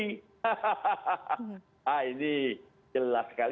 nah ini jelas sekali